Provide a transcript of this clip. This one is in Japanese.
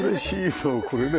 そうこれね。